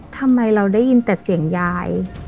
ทำไมเราได้ยินแต่เสียงยาย